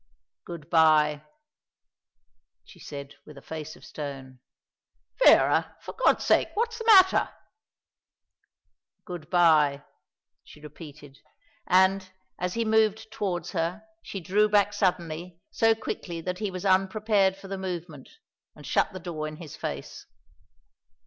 "Good bye," she said, with a face of stone. "Vera, for God's sake! What's the matter?" "Good bye," she repeated, and, as he moved towards her, she drew back suddenly, so quickly that he was unprepared for the movement, and shut the door in his face.